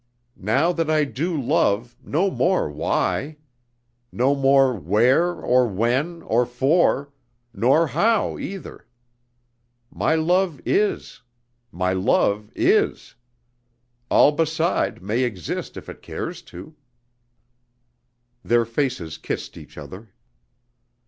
Now that I do love, no more why! No more where or when or for, nor how either! My love is, my love is! All beside may exist if it cares to." Their faces kissed each other.